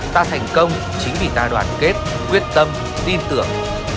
ta thành công chính vì ta đoàn kết quyết tâm tin tưởng